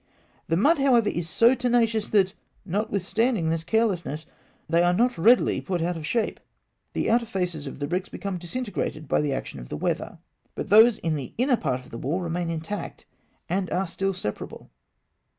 The mud, however, is so tenacious that, notwithstanding this carelessness, they are not readily put out of shape. The outer faces of the bricks become disintegrated by the action of the weather, but those in the inner part of the wall remain intact, and are still separable.